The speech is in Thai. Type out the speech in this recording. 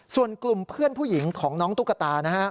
ส่วนกลุ่มเพื่อนผู้หญิงของน้องตุ๊กตานะฮะ